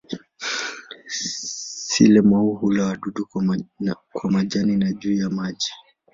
Sile-maua hula wadudu kwa majani na juu ya maji.